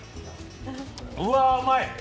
うわ、うまい！